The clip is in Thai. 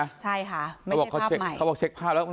ใช่ค่ะไม่ใช่ภาพใหม่เขาบอกเขาเช็คเขาบอกเช็คภาพแล้ว